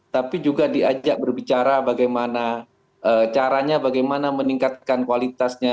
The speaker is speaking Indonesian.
tapi juga diajak berbicara bagaimana caranya bagaimana meningkatkan kualitasnya